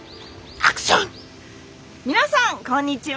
皆さんこんにちは。